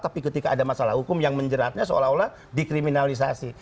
tapi ketika ada masalah hukum yang menjeratnya seolah olah dikriminalisasi